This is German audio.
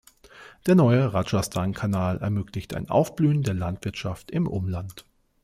Der neue Rajasthan-Kanal ermöglichte ein Aufblühen der Landwirtschaft im Umland.